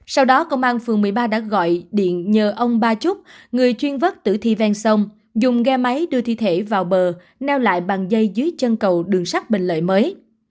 sau đó công an phường một mươi ba đã gọi điện nhờ ông ba trúc người chuyên vất tử thi ven sông dùng ghe máy đưa thi thể vào bờ neo lại bằng dây dưới chân cầu đường sắt bình lợi mới